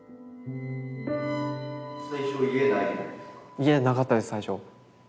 家なかったです最初。